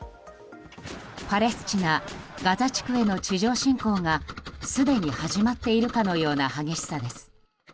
パレスチナ・ガザ地区への地上侵攻がすでに始まっているかのような激しさです。